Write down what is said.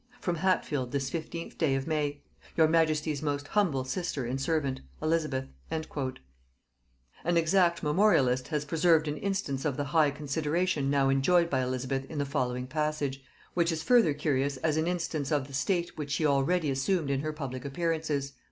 (From Hatfield this 15th day of May.) Your majesty's most humble sister and servant ELIZABETH." An exact memorialist has preserved an instance of the high consideration now enjoyed by Elizabeth in the following passage, which is further curious as an instance of the state which she already assumed in her public appearances.